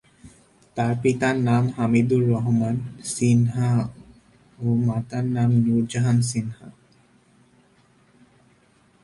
তার পিতার নাম হামিদুর রহমান সিনহা ও মাতার নাম নূরজাহান সিনহা।